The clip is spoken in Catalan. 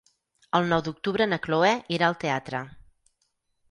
El nou d'octubre na Cloè irà al teatre.